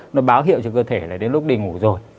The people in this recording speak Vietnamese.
nó báo hiệu cho cơ thể này đến lúc đi ngủ rồi